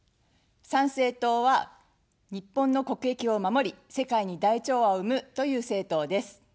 参政党は、日本の国益を守り世界に大調和を生むという政党です。